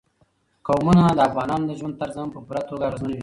قومونه د افغانانو د ژوند طرز هم په پوره توګه اغېزمنوي.